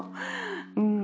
うん。